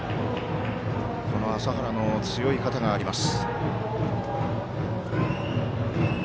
麻原の、強い方があります。